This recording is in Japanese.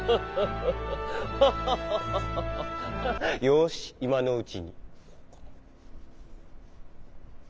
よしいまのうちに。